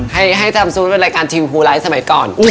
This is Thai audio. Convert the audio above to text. ให้ทำสูตรเป็นรายการทีวีพูไลน์สมัยก่อน